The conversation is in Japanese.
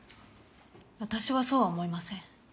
私はそうは思いません。